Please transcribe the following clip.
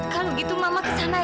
kalau gitu mama kesana ya